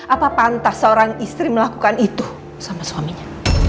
apa pantas seorang istri melakukan itu sama suaminya